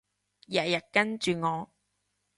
日日跟住我